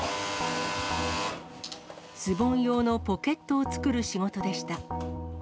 ズボン用のポケットを作る仕事でした。